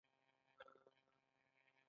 د لمر ګل مخ لمر ته وي.